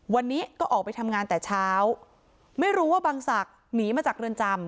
วันนี้ก็ออกไปทำงานแต่เช้าไม่รู้ว่าบังศักดิ์หนีมาจากเรือนจำ